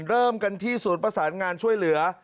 เริ่มกันที่ศูนย์ประสานงานช่วยเหลือ